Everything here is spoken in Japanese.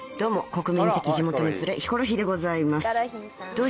国民的地元のツレヒコロヒーでございます。